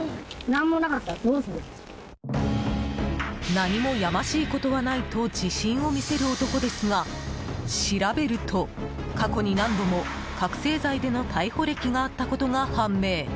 何もやましいことはないと自信を見せる男ですが調べると過去に何度も覚醒剤での逮捕歴があったことが判明。